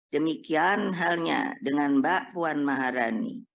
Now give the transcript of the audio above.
demikian halnya dengan mbak puan maharani